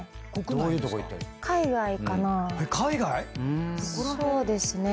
海外⁉そうですね。